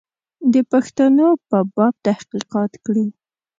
د پښتنو په باب تحقیقات کړي.